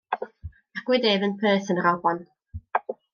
Magwyd ef yn Perth yn yr Alban.